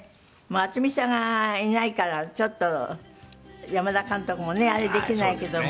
渥美さんがいないからちょっと山田監督もねあれできないけども。